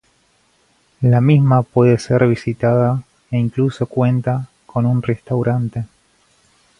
La misma puede ser visitada e incluso cuenta con un restaurante.